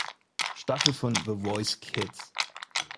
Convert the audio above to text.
Staffel von The Voice Kids.